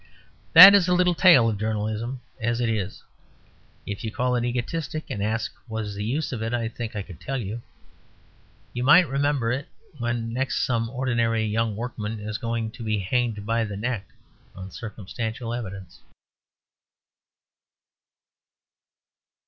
That is a little tale of journalism as it is; if you call it egotistic and ask what is the use of it I think I could tell you. You might remember it when next some ordinary young workman is going to be hanged by the neck on circumstantial evidence.